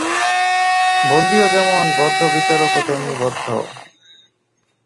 বন্দীও যেমন বদ্ধ বিচারকও তেমনি বদ্ধ।